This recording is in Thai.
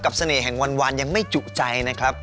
เสน่ห์แห่งวันยังไม่จุใจนะครับ